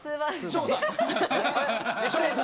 省吾さん？